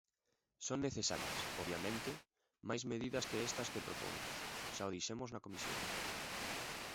Son necesarias, obviamente, máis medidas que estas que propomos, xa o dixemos na Comisión.